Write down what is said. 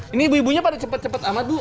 ini ibu ibunya pada cepet cepet amat bu